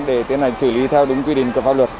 để tiến hành xử lý theo đúng quy định của pháp luật